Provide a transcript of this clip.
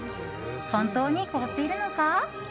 本当に凍っているのか？